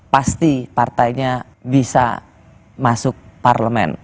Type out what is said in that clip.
pasti partainya bisa masuk parlemen